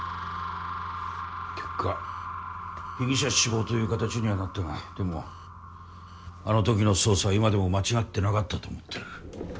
結果被疑者死亡という形にはなったがでもあのときの捜査は今でも間違ってなかったと思ってる。